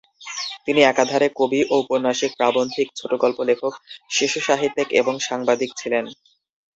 তিনি একাধারে কবি, ঔপন্যাসিক, প্রাবন্ধিক, ছোটগল্প লেখক, শিশুসাহিত্যিক এবং সাংবাদিক ছিলেন।